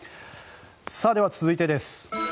では、続いてです。